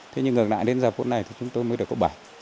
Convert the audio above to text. thế nhưng ngược lại đến giờ phút này thì chúng tôi mới được cấp bảy